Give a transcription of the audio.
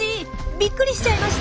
びっくりしちゃいました？